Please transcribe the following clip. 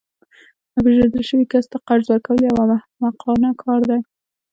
ناپیژندل شوي کس ته قرض ورکول یو احمقانه کار دی